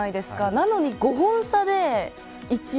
なのに５本差で１位。